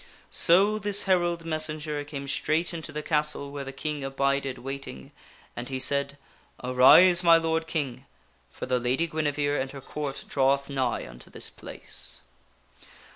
So this herald messenger came straight into the castle where the King abided waiting, and he said :" Arise, my lord King, for the Lady Guine vere and her Court draweth nigh unto this place."